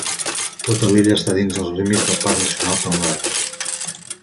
Tota l'illa està dins els límits del Parc Nacional Tongass.